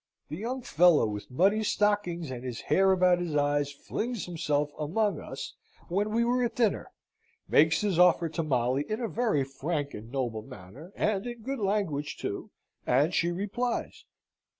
The young fellow with muddy stockings, and his hair about his eyes, flings himself amongst us when we were at dinner; makes his offer to Molly in a very frank and noble manner, and in good language too; and she replies.